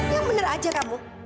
ya bener aja kamu